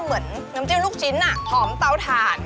เหมือนน้ำจิ้มลูกชิ้นหอมเตาถ่าน